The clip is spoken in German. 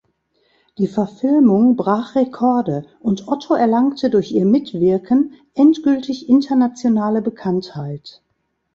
Die Verfilmung brach Rekorde und Otto erlangte durch ihr Mitwirken endgültig internationale Bekanntheit.